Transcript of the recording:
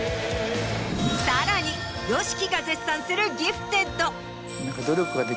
さらにＹＯＳＨＩＫＩが絶賛するギフテッド。